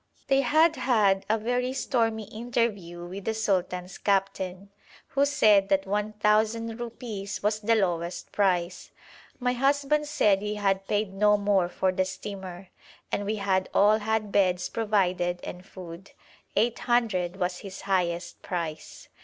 They had had a very stormy interview with the sultan's captain, who said that 1,000 rupees was the lowest price. My husband said he had paid no more for the steamer, and we had all had beds provided and food; 800 was his highest price.